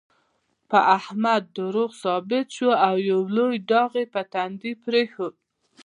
په احمد دروغ ثبوت شول، او یو لوی داغ یې په تندي پرېښود.